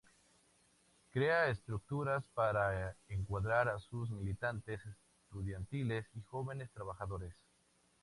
Crea estructuras para encuadrar a sus militantes estudiantiles y jóvenes trabajadores.